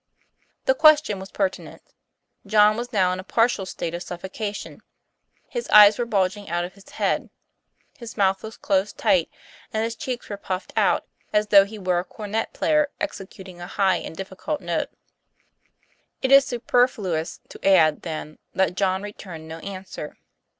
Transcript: The question was pertinent. John was now in a partial state of suffocation, his eyes were bulging out of his head, his mouth was closed tight, and his cheeks were puffed out as though he were a cornet player executing a high and difficult note. It is superfluous to add, then, that John returned no answer.